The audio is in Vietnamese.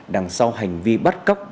đằng sau hành vi bắt cóc